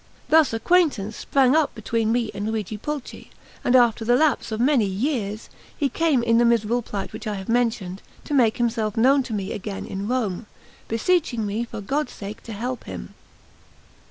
Thus acquaintance sprang up between me and Luigi Pulci; and so, after the lapse of many years, he came, in the miserable plight which I have mentioned, to make himself known to me again in Rome, beseeching me for God's sake to help him.